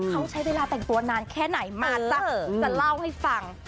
เขาใช้เวลาแต่งตัวนานแค่ไหนมาจ้ะจะเล่าให้ฟัง